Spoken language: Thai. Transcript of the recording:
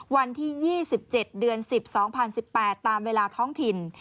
วันที่๒๗เดือน๑๐๒๐๑๘ตามเวลาท้องถิ่น